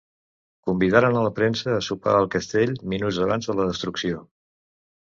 Convidaren a la premsa a sopar al castell minuts abans de la destrucció.